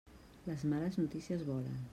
Les males notícies volen.